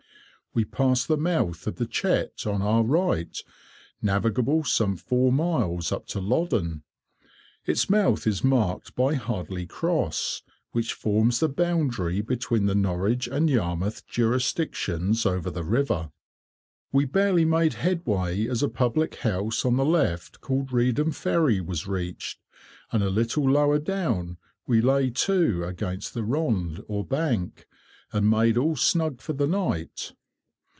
We passed the mouth of the Chet on our right, navigable some four miles up to Loddon. Its mouth is marked by Hardley Cross, which forms the boundary between the Norwich and Yarmouth jurisdictions over the river. We barely made headway as a public house on the left, called Reedham Ferry, was reached, and a little lower down we lay to against the "rond," or bank, and made all snug for the night.